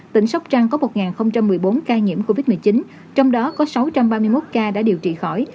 tỉnh sóc trăng có một một mươi bốn ca nhiễm covid một mươi chín trong đó có sáu trăm ba mươi một ca đã điều trị khỏi